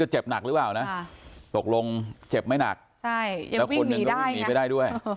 จะเจ็บหนักหรือเปล่านะตกลงเจ็บไม่หนักยังวิ่งหนีได้ด้วย